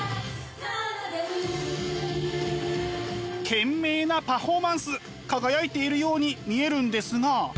懸命なパフォーマンス輝いているように見えるんですが。